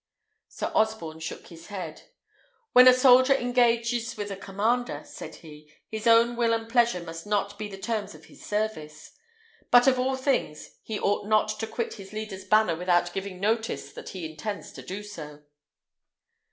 Sir Osborne shook his head. "When a soldier engages with a commander," said he, "his own will and pleasure must not be the terms of his service. But of all things, he ought not to quit his leader's banner without giving notice that he intends to do so."